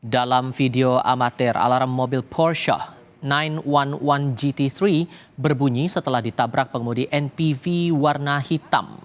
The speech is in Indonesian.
dalam video amatir alarm mobil porsyah sembilan satu gt tiga berbunyi setelah ditabrak pengemudi npv warna hitam